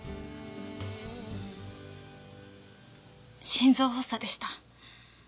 心臓発作でした。